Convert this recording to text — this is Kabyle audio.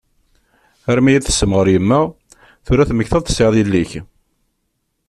Armi iyi-d-tessemɣer yemma tura temmektaḍ-d tesɛiḍ yelli-k?